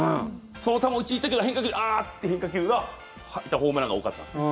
その球、打ちに行ったけど変化球ああっっていう変化球が入ったホームランが多かったんですね。